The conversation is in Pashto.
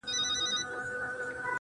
خپـه به دا وي كــه شـــيرين نه ســمــه,